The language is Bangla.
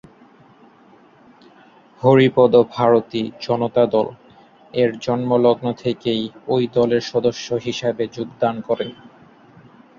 হরিপদ ভারতী "জনতা দল" এর জন্মলগ্ন থেকেই ঐ দলের সদস্য হিসাবে যোগদান করেন।